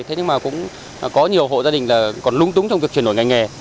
thế nhưng mà cũng có nhiều hộ gia đình còn lung tung trong việc chuyển đổi ngành nghề